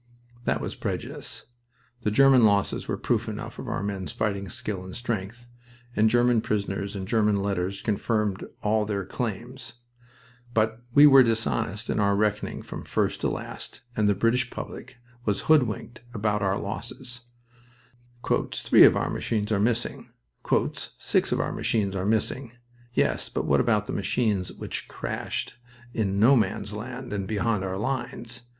That was prejudice. The German losses were proof enough of our men's fighting skill and strength, and German prisoners and German letters confirmed all their claims. But we were dishonest in our reckoning from first to last, and the British public was hoodwinked about our losses. "Three of our machines are missing." "Six of our machines are missing." Yes, but what about the machines which crashed in No Man's Land and behind our lines?